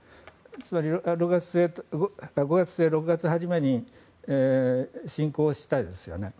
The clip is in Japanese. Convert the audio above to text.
つまり５月末、６月初めに侵攻しましたよね。